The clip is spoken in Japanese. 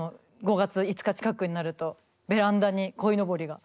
５月５日近くになるとベランダにこいのぼりが。